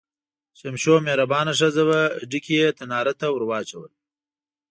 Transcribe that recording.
شمشو مهربانه ښځه وه، ډکي یې تنار ته ور واچول.